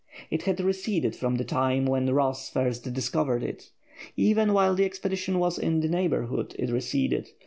It had receded from the time when Ross first discovered it. Even while the expedition was in the neighbourhood it receded.